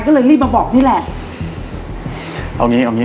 ก็เลยรีบมาบอกนี่แหละเอางี้เอางี้